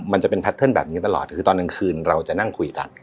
มันจะเป็นแพทเทิร์นแบบนี้ตลอดคือตอนกลางคืนเราจะนั่งคุยกัน